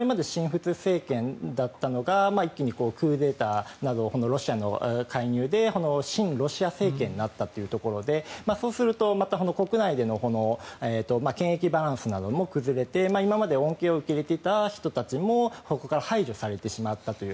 まさしくマリであったり中央アフリカなんですがそれまで親仏政権だったのが一気にクーデターなどロシアの介入で親ロシア政権になったということでそうするとまた国内での権益バランスなども崩れて今まで恩恵を受けていた人たちもそこから排除されてしまったという。